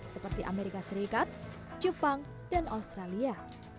seperti amerika serikat jepang dan australia